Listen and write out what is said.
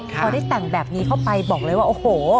พอได้แต่งแบบนี้เข้าไปบอกเลยว่าโอ้โห